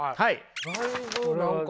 だいぶ何か。